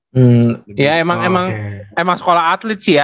hmm ya emang emang emang sekolah atlet sih ya